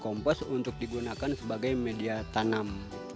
kompos untuk digunakan sebagai media tanam